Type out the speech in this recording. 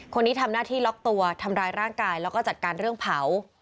คนนี้ทำหน้าที่ล็อกตัวทำร้ายร่างกายแล้วก็จัดการเรื่องเผา